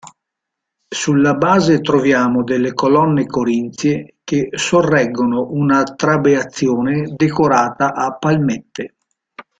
Sulla base troviamo delle colonne corinzie che sorreggono una trabeazione decorata a palmette.